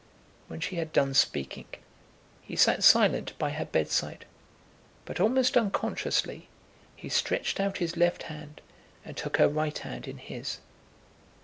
When she had done speaking, he sat silent by her bedside, but, almost unconsciously, he stretched out his left hand and took her right hand in his.